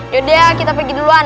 yaudah kita pergi duluan